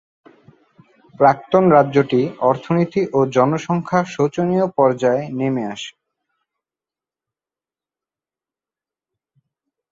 প্রাক্তন রাজ্যটির অর্থনীতি ও জনসংখ্যা শোচনীয় পর্যায়ে নেমে আসে।